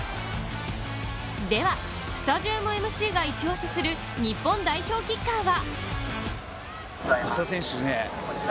では、スタジアムＭＣがイチオシする日本代表キッカーは？